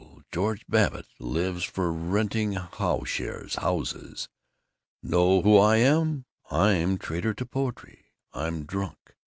George Babbitt. Lives for renting howshes houses. Know who I am? I'm traitor to poetry. I'm drunk.